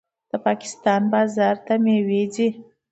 د پاکستان بازار ته میوې ځي.